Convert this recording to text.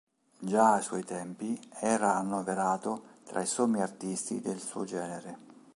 Già ai suoi tempi era annoverato tra i sommi artisti del suo genere.